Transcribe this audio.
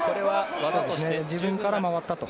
自分から回ったと。